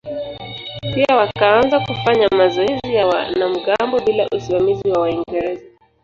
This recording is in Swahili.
Pia wakaanza kufanya mazoezi ya wanamgambo bila usimamizi wa Waingereza.